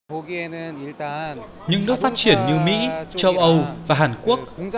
họ có thể tìm ra những nơi không dưới sáu trăm linh lần một năm để đảm bảo không có chất ô nhiễm